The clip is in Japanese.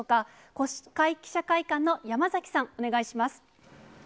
国会記者会館の山崎さん、お願いします。